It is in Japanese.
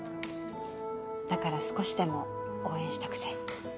だから少しでも応援したくて。